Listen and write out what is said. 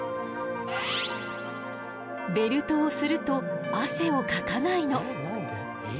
ベルトをすると汗をかかないの。